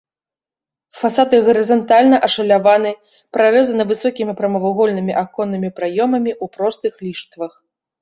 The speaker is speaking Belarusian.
Фасады гарызантальна ашаляваны, прарэзаны высокімі прамавугольнымі аконнымі праёмамі ў простых ліштвах.